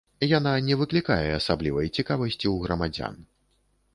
Яна не выклікае асаблівай цікавасці ў грамадзян.